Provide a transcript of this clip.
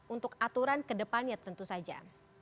untuk aturan kedepannya tentu saja